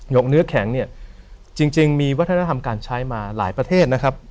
กเนื้อแข็งเนี่ยจริงมีวัฒนธรรมการใช้มาหลายประเทศนะครับ